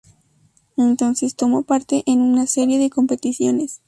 Entonces tomó parte en una serie de competiciones.